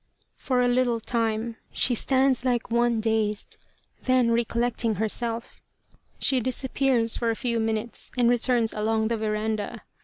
For a little time she stands like one dazed ; then, recollecting herself, she disappears for a few minutes and returns along the veranda.